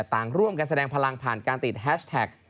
ต่างร่วมกันแสดงพลังผ่านการติดแฮชแท็ก